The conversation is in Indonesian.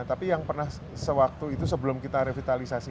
tapi yang pernah sewaktu itu sebelum kita revitalisasi